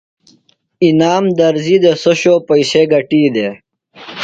انعام درزی دےۡ۔ سوۡ شو پئیسے گٹی دےۡ۔